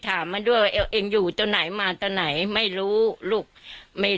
ถามมันด้วยว่าเอวเองอยู่ตรงไหนมาตอนไหนไม่รู้ลูกไม่